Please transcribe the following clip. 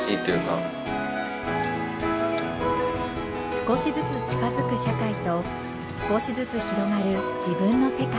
少しずつ近づく社会と少しずつ広がる自分の世界。